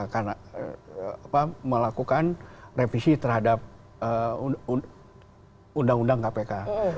karena melakukan revisi terhadap undang undang kpk